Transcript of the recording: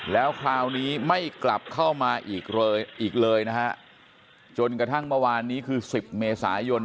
แล้วคราวนี้ไม่กลับเข้ามาอีกเลยอีกเลยนะฮะจนกระทั่งเมื่อวานนี้คือ๑๐เมษายน